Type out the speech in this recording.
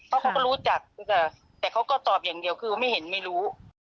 เพราะเขาก็รู้จักแต่เขาก็ตอบอย่างเดียวคือไม่เห็นไม่รู้